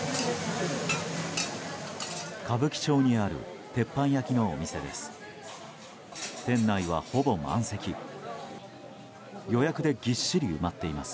歌舞伎町にある鉄板焼きのお店です。